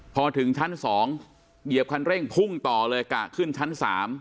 พอถึงชั้น๒เหยียบคันเร่งพุ่งต่อเลยกะขึ้นชั้น๓